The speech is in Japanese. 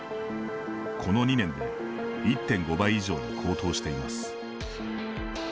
この２年で１．５倍以上に高騰しています。